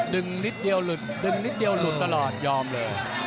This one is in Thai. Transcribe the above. ดึงนิดเดียวหลุดดึงนิดเดียวหลุดตลอดยอมเลย